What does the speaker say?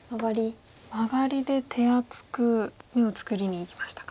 マガリで手厚く眼を作りにいきましたか。